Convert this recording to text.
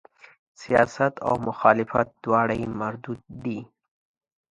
سیاست او مخالفت دواړه یې مردود دي.